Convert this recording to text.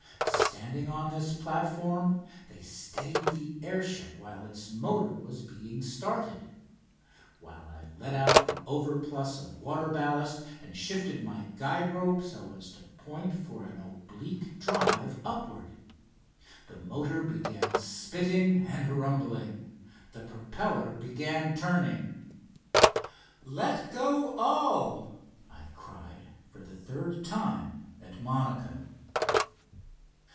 Standing on this platform they steadied the air ship while its motor was beings started, while I let out the overplus of water ballast and shifted my guide rope so as to point for an oblique drive upward. The motor began spitting and rumbling. The propeller began turning. "Let go all!" I cried, for the third time at Monaco.